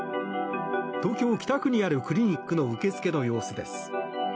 東京・北区にあるクリニックの受付の様子です。